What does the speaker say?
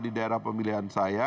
di daerah pemilihan saya